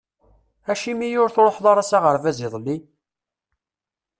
Acimi ur truḥeḍ ara s aɣerbaz iḍelli?